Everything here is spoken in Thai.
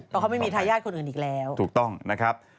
เพราะเขาไม่มีทายญาติคนอื่นอีกแล้ว